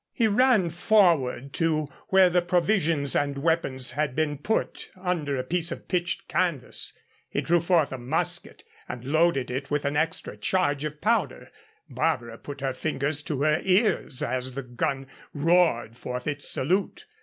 He ran forward to where the provisions and weapons had been put under a piece of pitched canvas. He drew forth a musket, and loaded it with an extra charge of powder. Barbara put her fingers to her ears as the gun roared forth its salute.